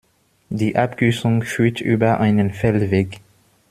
Die Abkürzung führt über einen Feldweg.